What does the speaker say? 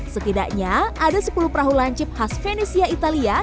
setidaknya ada sepuluh perahu lancip khas venesia italia